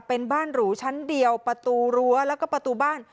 เป็นบ้านหรูชั้นเดียวประตูรั้วแล้วก็ประตูบ้าน